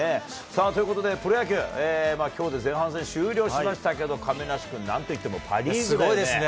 さあ、ということでプロ野球、きょうで前半戦終了しましたけど、亀梨君、なんといってもパ・リーすごいですね。